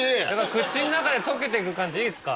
口ん中で溶けてく感じいいですか？